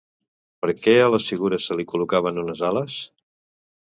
Per què a les figures se li col·locaven unes ales?